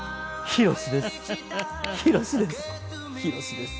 ヒロシです。